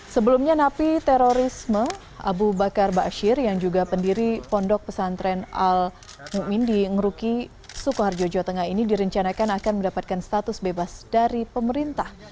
sebelumnya napi terorisme abu bakar bashir yang juga pendiri pondok pesantren al ⁇ mumin ⁇ di ngeruki sukoharjo jawa tengah ini direncanakan akan mendapatkan status bebas dari pemerintah